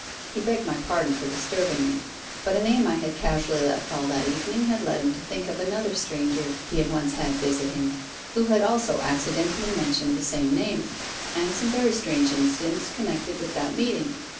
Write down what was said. He begged my pardon for disturbing me, but a name I had casually let fall that evening had led him to think of another stranger he had once had visit him, who had also accidentally mentioned the same name, and some very strange incidents connected with that meeting.